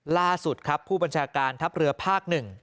ล่าสุดครับผู้บัญชาการทัพเรือภาค๑